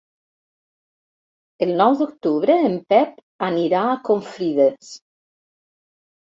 El nou d'octubre en Pep anirà a Confrides.